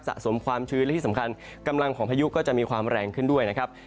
สะสมความชื้นและที่สำคัญกำลังของพายุก็จะมีความแรงขึ้นด้วยนะครับ